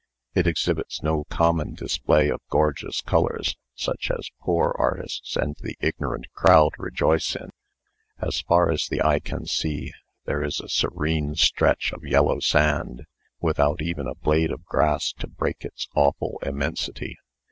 It exhibits no common display of gorgeous colors, such as poor artists and the ignorant crowd rejoice in. As far as the eye can see, there is a serene stretch of yellow sand, without even a blade of grass to break its awful immensity."